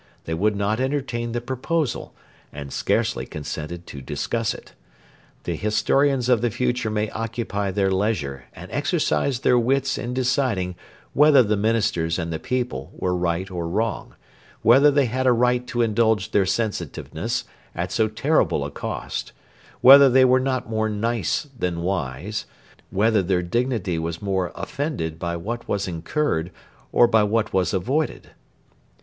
They would not entertain the proposal, and scarcely consented to discuss it. The historians of the future may occupy their leisure and exercise their wits in deciding whether the Ministers and the people were right or wrong; whether they had a right to indulge their sensitiveness at so terrible a cost; whether they were not more nice than wise; whether their dignity was more offended by what was incurred or by what was avoided.